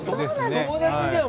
友達じゃん！